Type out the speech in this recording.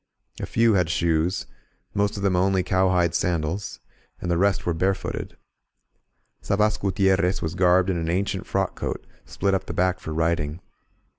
A few had shoes, most of them only cowhide sandals, and the rest were barefooted. Sabas Gutier S8 THE GENERAL GOES TO WAK rez was garbed in an ancient frockcoat, split up the back for riding.